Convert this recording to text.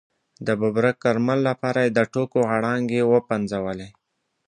د ببرک کارمل لپاره یې د ټوکو غړانګې وپنځولې.